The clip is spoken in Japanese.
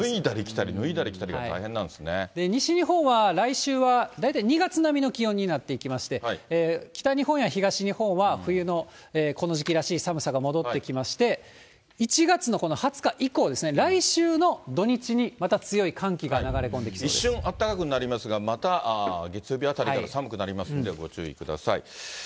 脱いだり着たり、西日本は来週は、大体２月並みの気温になっていきまして、北日本や東日本は冬のこの時期らしい寒さが戻ってきまして、１月のこの２０日以降ですね、来週の土日に、また強い寒気が流れ込ん一瞬、あったかくなりますが、また月曜日あたりから寒くなりますんでご注意ください。